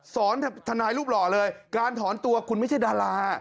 ทนายรูปหล่อเลยการถอนตัวคุณไม่ใช่ดารา